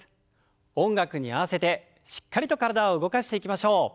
音楽に合わせてしっかりと体を動かしていきましょう。